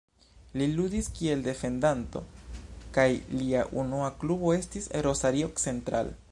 Li ludis kiel defendanto kaj lia unua klubo estis Rosario Central.